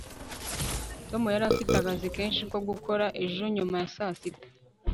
tom yari afite akazi kenshi ko gukora ejo nyuma ya saa sita